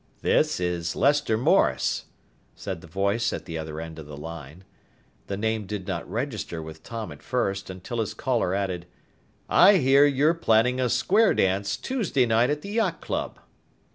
"This is Lester Morris," said the voice at the other end of the line. The name did not register with Tom at first until his caller added, "I hear you're planning a square dance Tuesday night at the yacht club."